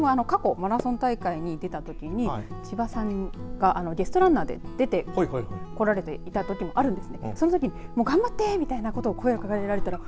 私も過去、マラソン大会に出たときに千葉さんがゲストランナーで出てこられていたときもあるんです。